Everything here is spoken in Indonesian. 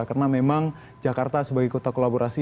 karena memang jakarta sebagai kota kolaborasi